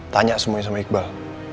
tanya semuanya sama iqbal